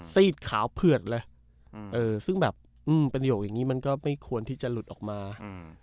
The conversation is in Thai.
ซีดขาวเผือดเลยอืมเออซึ่งแบบอืมประโยคอย่างงี้มันก็ไม่ควรที่จะหลุดออกมาอืม